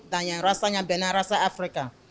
dan yang rasanya benar rasa afrika